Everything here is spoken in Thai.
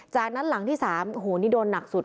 จากนั้นหลังที่๓โอ้โหนี่โดนหนักสุด